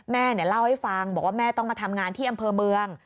แม่เล่าให้ฟังบอกว่าแม่ต้องมาทำงานที่อำเภอเมือง